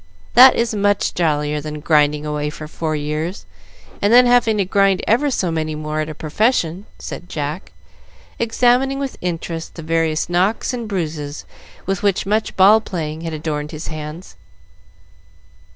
That is much jollier than grinding away for four years, and then having to grind ever so many more at a profession," said Jack, examining with interest the various knocks and bruises with which much ball playing had adorned his hands.